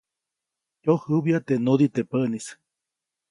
Jyojäbya teʼ nudiʼ teʼ päʼnis.